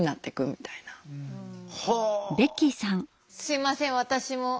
すいません私も。